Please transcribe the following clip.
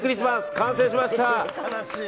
完成しました。